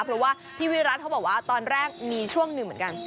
เพราะว่าพี่วิรัติเขาบอกว่าตอนแรกมีช่วงหนึ่งเหมือนกัน